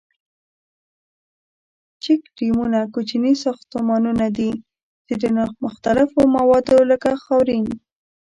چیک ډیمونه کوچني ساختمانونه دي ،چې د مختلفو موادو لکه خاورین.